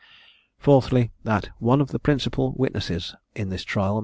Fourthly, That one of the principal witnesses in this trial, M.